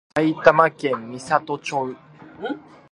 埼玉県美里町